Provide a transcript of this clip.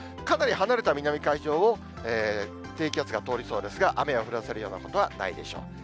かなり離れた南海上を低気圧が通りそうですが、雨を降らせるようなことはないでしょう。